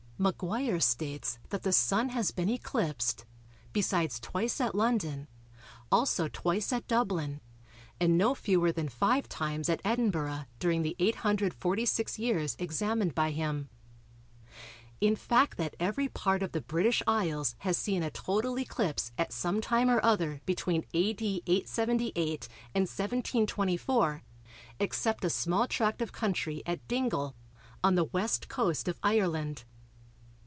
Maguire states that the Sun has been eclipsed, besides twice at London, also twice at Dublin, and no fewer than five times at Edinburgh during the 846 years examined by him. In fact that every part of the British Isles has seen a total eclipse at some time or other between A.D. 878 and 1724 except a small tract of country at Dingle, on the West coast of Ireland.